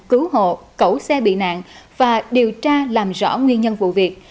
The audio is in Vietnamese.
cứu hộ cẩu xe bị nạn và điều tra làm rõ nguyên nhân vụ việc